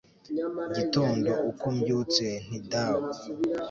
gitondo uko mbyutse, nti dawe